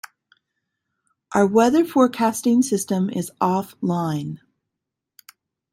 Our weather forecasting system is offline.